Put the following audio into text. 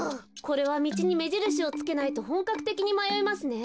これはみちにめじるしをつけないとほんかくてきにまよいますね。